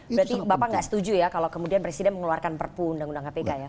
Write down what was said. berarti bapak nggak setuju ya kalau kemudian presiden mengeluarkan perpu undang undang kpk ya